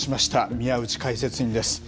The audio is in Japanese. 宮内解説委員です。